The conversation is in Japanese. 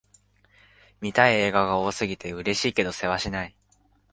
見たい映画が多すぎて、嬉しいけどせわしない